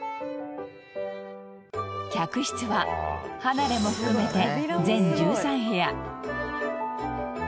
客室は離れも含めて全１３部屋。